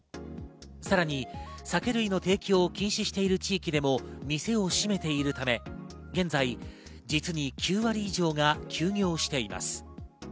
さらに酒類の提供を禁止している地域でも店を閉めているため、現在、実に９割以上が休業しています。